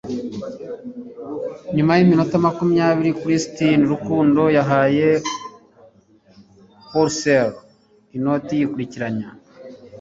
Nyuma yiminota makumyabiri Christine Rukundo yahaye Horsley inoti yikurikiranya,